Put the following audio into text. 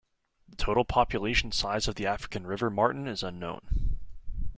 The total population size of the African river martin is unknown.